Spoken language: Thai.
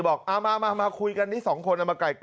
บอกเอามาเอามามาพูดกันดี๒คน